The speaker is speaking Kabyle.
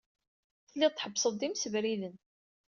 Tellid tḥebbsed-d imsebriden.